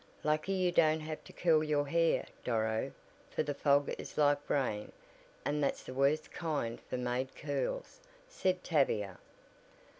"Lucky you don't have to curl your hair, Doro, for the fog is like rain, and that's the worst kind for made curls," said Tavia.